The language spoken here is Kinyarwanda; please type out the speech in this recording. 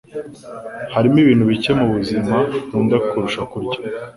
Hariho ibintu bike mubuzima nkunda kurusha kurya.